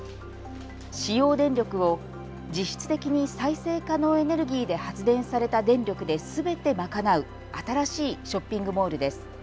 使用電力を実質的に再生可能エネルギーで発電された電力ですべて賄う新しいショッピングモールです。